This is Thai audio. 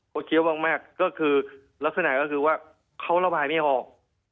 เขาเคี้ยวมากก็คือลักษณะก็คือว่าเขาระบายไม่ออก